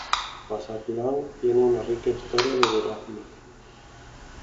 Mazatlán tiene una rica historia de duraznos.